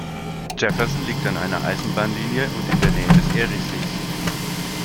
Jefferson liegt an einer Eisenbahnlinie und in der Nähe des Eriesees.